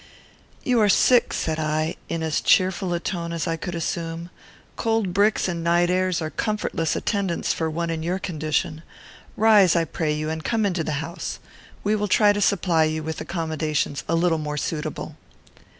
"You are sick," said I, in as cheerful a tone as I could assume. "Cold bricks and night airs are comfortless attendants for one in your condition. Rise, I pray you, and come into the house. We will try to supply you with accommodations a little more suitable."